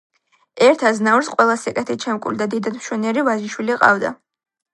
ერთ აზნაურს, ყველა სიკეთით შემკული და დიდად მშვენიერი ვაჟიშვილი ჰყავდა